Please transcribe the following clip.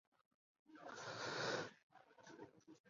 二年以江西星子县知县署理建昌府南丰县知县。